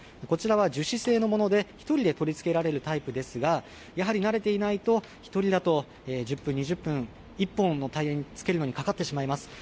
こちらは樹脂製のもので、１人で取り付けられるタイプですが、やはり慣れていないと、１人だと１０分、２０分、１本のタイヤ付けるのにかかってしまいます。